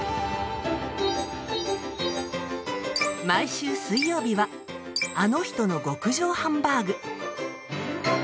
毎週水曜日は「あの人の極上ハンバーグ」。